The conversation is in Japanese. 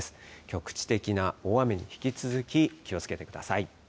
局地的な大雨に引き続き気をつけてください。